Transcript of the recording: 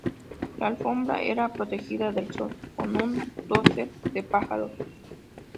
La alfombra era protegida del sol por un dosel de pájaros.